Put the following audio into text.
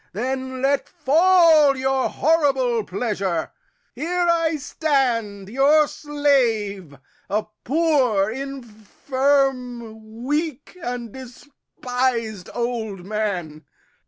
Then let fall Your horrible pleasure. Here I stand your slave, A poor, infirm, weak, and despis'd old man.